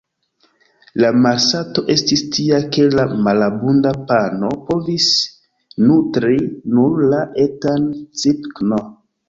La malsato estis tia ke la malabunda pano povis nutri nur la etan Cipke-n.